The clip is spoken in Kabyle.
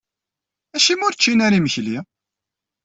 Acimi ur ččin ara imekli?